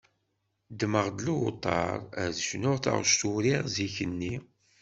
Ddmeɣ-d lewṭer ad cnuɣ taɣect uriɣ zik-nni.